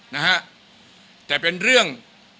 นะฮะแต่เป็นเรื่อง